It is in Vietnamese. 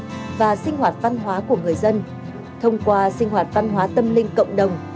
thông qua sinh hoạt văn hóa của người dân thông qua sinh hoạt văn hóa tâm linh cộng đồng